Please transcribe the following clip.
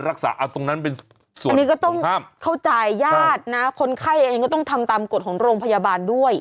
อันนี้ก็ต้องเข้าใจญาตินะคนไข้เองก็ต้องทำตามกฎของโรงพยาบาลด้วย